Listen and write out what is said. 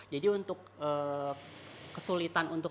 jadi untuk kesulitan untuk ditiup